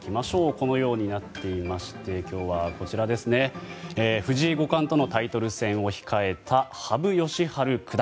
このようになっていまして今日は、藤井五冠とのタイトル戦を控えた羽生善治九段。